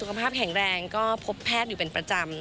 สุขภาพแข็งแรงก็พบแพทย์อยู่เป็นประจำ